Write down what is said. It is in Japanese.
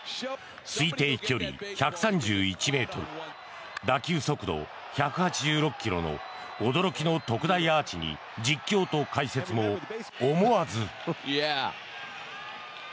推定飛距離１３１ｍ打球速度１８６ｋｍの驚きの特大アーチに実況と解説も思わず。